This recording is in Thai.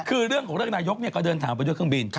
คือเรื่องของเรื่องนายกก็เดินทางไปด้วยเครื่องบิน